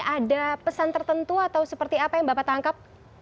ada pesan tertentu atau seperti apa yang bapak tangkap